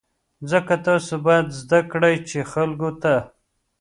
ځکه تاسو باید زده کړئ چې خلکو ته.